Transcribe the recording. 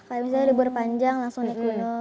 kayak misalnya libur panjang langsung naik gunung